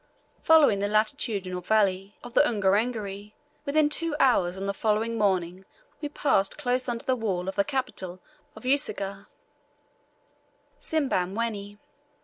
Following the latitudinal valley of the Ungerengeri, within two hours on the following morning we passed close under the wall of the capital of Useguhha Simbamwenni.